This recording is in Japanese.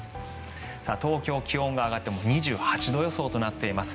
東京、気温が上がって２８度予想となっています。